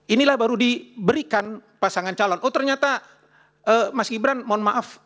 inilah baru diberikan pasangan calon oh ternyata mas gibran mohon maaf